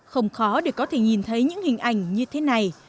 không khó để có thể nhìn thấy những hình ảnh như thế này